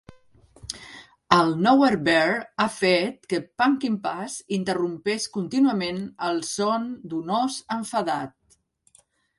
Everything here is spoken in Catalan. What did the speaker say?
El "Nowhere Bear" ha fet que Punkin'Puss interrompés contínuament el son d'un ós enfadat.